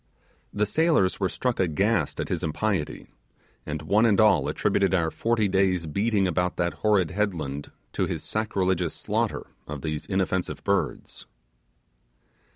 The sailors were struck aghast at his impiety, and one and all attributed our forty days' beating about that horrid headland to his sacrilegious slaughter of these inoffensive birds.